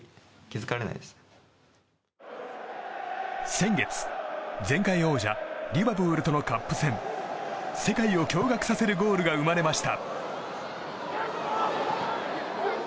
先月、前回王者リバプールとのカップ戦世界を驚愕させるゴールが生まれました。